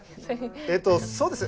えっとそうです。